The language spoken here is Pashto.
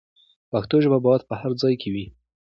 پښتو ژبه باید په هر ځای کې وي.